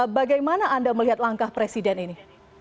bagaimana anda melihat langkah presiden ini